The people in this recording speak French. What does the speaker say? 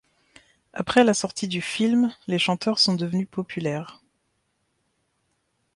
Après la sortie du film, les chanteurs sont devenus populaires.